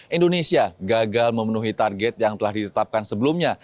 indonesia gagal memenuhi target yang telah ditetapkan sebelumnya